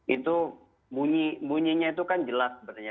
itu bunyinya itu kan jelas sebenarnya